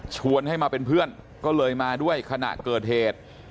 ชวนให้มาเป็นเพื่อนก็เลยมาด้วยขณะเกิดเหตุ